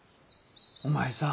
お前さ